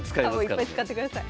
いっぱい使ってください。